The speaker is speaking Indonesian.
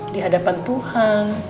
di hadapan tuhan